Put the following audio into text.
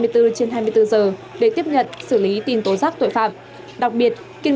nhật xử lý tình tố giác tội phạm đặc biệt kiên quyết xử lý đối với các đối tượng